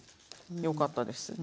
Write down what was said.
よかったです。